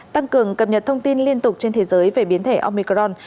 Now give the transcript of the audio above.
tăng cường cập nhật thông tin liên tục trên thế giới về biến thể omicron